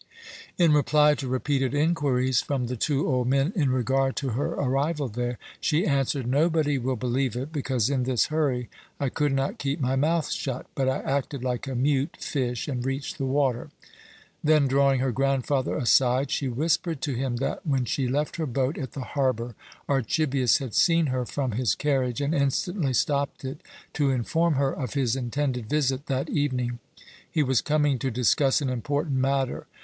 In reply to repeated inquiries from the two old men in regard to her arrival there, she answered: "Nobody will believe it, because in this hurry I could not keep my mouth shut; but I acted like a mute fish and reached the water." Then, drawing her grandfather aside, she whispered to him that, when she left her boat at the harbour, Archibius had seen her from his carriage, and instantly stopped it to inform her of his intended visit that evening. He was coming to discuss an important matter.